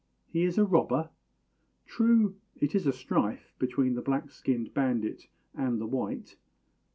He is a robber? True; it is a strife Between the black skinned bandit and the white.